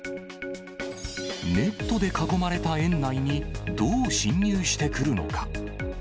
ネットで囲まれた園内に、どう侵入してくるのか。